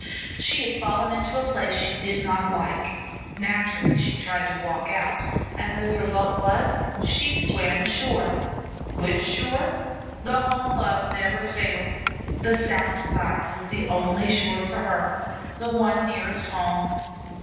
She had fallen into a place she did not like; naturally she tried to walk out, and the result was that she swam ashore. Which shore? The home love never fails: the south side was the only shore for her, the one nearest home.